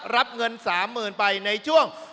รับเงิน๓๐๐๐ไปในช่วง